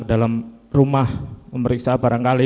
dalam rumah memeriksa barangkali